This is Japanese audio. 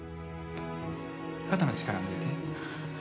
肩の力を抜いて。